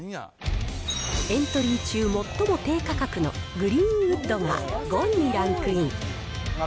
エントリー中、最も低価格のグリーンウッドが５位にランクイン。